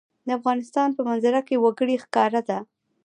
د افغانستان په منظره کې وګړي ښکاره ده.